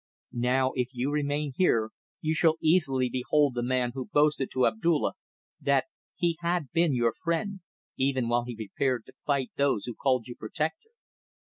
Now if you remain here, you shall easily behold the man who boasted to Abdulla that he had been your friend, even while he prepared to fight those who called you protector.